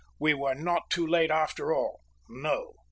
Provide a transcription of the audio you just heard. We were not too late after all! No.